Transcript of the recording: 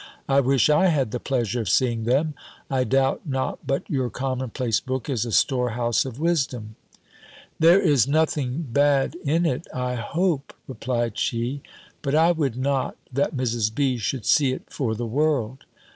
I wish I had the pleasure of seeing them. I doubt not but your common place book is a store house of wisdom." "There is nothing bad in it, I hope," replied she; "but I would not, that Mrs. B. should see it for the world.